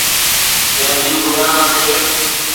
جنهن جي بنياد تي